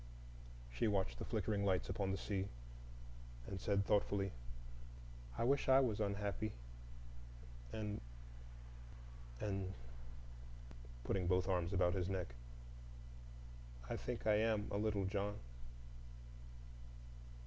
She watched the flickering lights upon the sea, and said thoughtfully, "I wish I was unhappy,—and—and," putting both arms about his neck, "I think I am, a little, John."